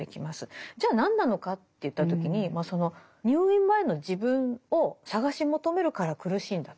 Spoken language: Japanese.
じゃあ何なのかといった時に入院前の自分を探し求めるから苦しいんだと。